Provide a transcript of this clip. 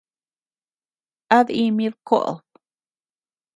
¿A dimid koʼod?